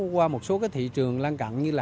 với một số thị trường lan cận như là